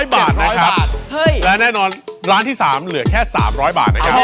๗๐๐บาทนะครับเห้ยแล้วแน่นอนร้านที่๓เหลือแค่๓๐๐บาทนะครับ